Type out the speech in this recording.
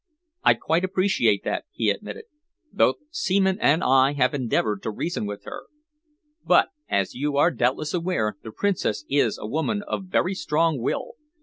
"I quite appreciate that," he admitted. "Both Seaman and I have endeavoured to reason with her, but, as you are doubtless aware, the Princess is a woman of very strong will.